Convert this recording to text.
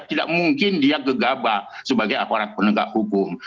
tidak mungkin dia gegabah sebagai aparat penegak hukum